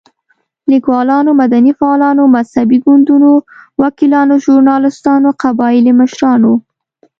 ليکوالانو، مدني فعالانو، مذهبي ګوندونو، وکيلانو، ژورناليستانو، قبايلي مشرانو